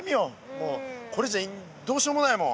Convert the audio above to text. もうこれじゃどうしようもないもん。